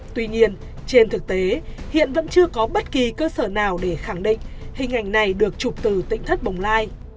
tuy nhiên trên thực tế hiện vẫn chưa có bất kỳ cơ sở nào để khẳng định hình ảnh này được chụp từ tỉnh thất bồng lai